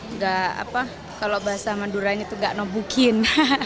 enggak apa kalau bahasa manduranya itu enggak ngebukin